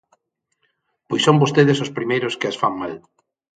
Pois son vostedes os primeiros que as fan mal.